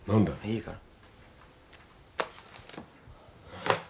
いいから。